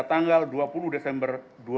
tanggal dua puluh desember dua ribu lima